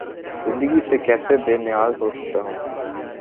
زندگی سے کیسے بے نیاز ہو سکتا ہے؟